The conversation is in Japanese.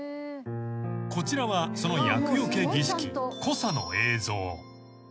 ［こちらはその厄除け儀式コサの映像］